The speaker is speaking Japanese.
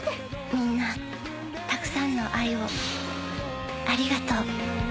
みんなたくさんの愛をありがとう。